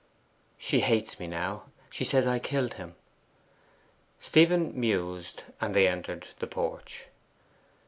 'She hates me now. She says I killed him.' Stephen mused, and they entered the porch.